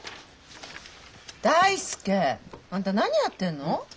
大介あんた何やってんの？